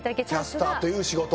キャスターという仕事。